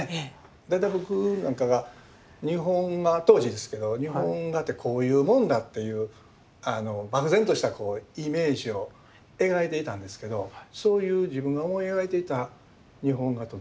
大体僕なんかが当時ですけど日本画ってこういうもんだっていう漠然としたイメージを描いていたんですけどそういう自分が思い描いていた日本画と全然違う。